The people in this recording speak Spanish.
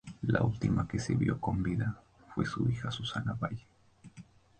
La última que lo vio con vida fue su hija Susana Valle.